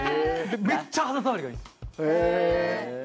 めっちゃ肌触りがいいんです。